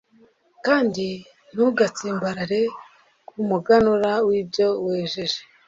kandi ntugatsimbarare ku muganura w'ibyo wejeje